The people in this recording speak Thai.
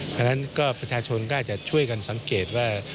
เพราะฉะนั้นก็ประชาชนก็อาจจะช่วยกันสังเกตว่า